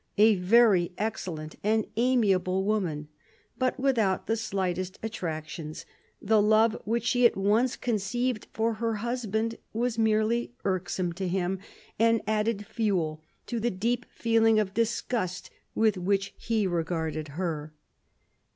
A very excellent and amiable woman, but without the slightest attractions, the love which she at once con ceived for her husband was merely irksome to him, and added fuel to the deep feeling of disgust with which he regarded her.